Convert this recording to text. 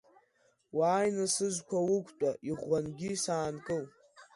Уааины сызқәа уқәтәа, иӷәӷәангьы саанкыл.